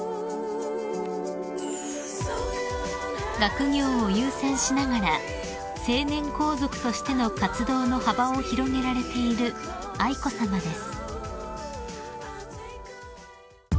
［学業を優先しながら成年皇族としての活動の幅を広げられている愛子さまです］